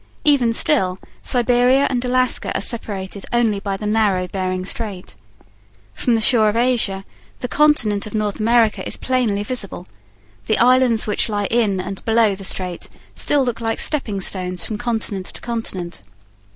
Even still, Siberia and Alaska are separated only by the narrow Bering Strait. From the shore of Asia the continent of North America is plainly visible; the islands which lie in and below the strait still look like stepping stones from continent to continent.